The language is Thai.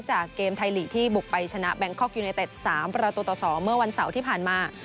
จากเกมไทยลีกที่บุกไปชนะแบงคอกยูเนเต็ด๓ประตูต่อ๒เมื่อวันเสาร์ที่ผ่านมา